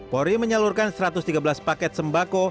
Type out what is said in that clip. polri menyalurkan satu ratus tiga belas paket sembako